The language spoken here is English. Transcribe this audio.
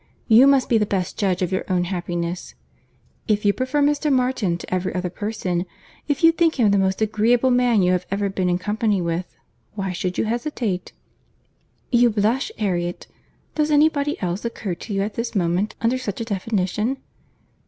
You must be the best judge of your own happiness. If you prefer Mr. Martin to every other person; if you think him the most agreeable man you have ever been in company with, why should you hesitate? You blush, Harriet.—Does any body else occur to you at this moment under such a definition?